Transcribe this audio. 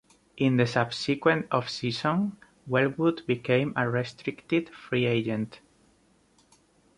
In the subsequent off-season, Wellwood became a restricted free agent.